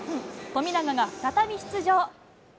富永が再び出場。